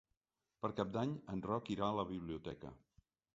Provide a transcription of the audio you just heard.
Per Cap d'Any en Roc irà a la biblioteca.